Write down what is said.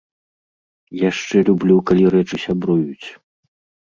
Яшчэ люблю, калі рэчы сябруюць.